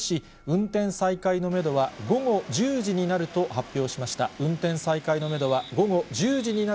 運転再開のメドは、午後１０時になると発表しました。